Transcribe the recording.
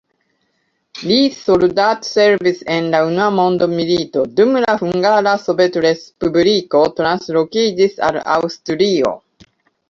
Li soldatservis en la unua mondmilito, dum la Hungara Sovetrespubliko translokiĝis al Aŭstrio.